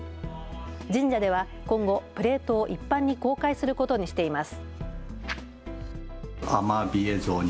神社では今後、プレートを一般に公開することにしています。